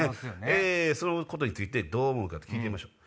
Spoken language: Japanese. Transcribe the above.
そのことについてどう思うか聞いてみましょう。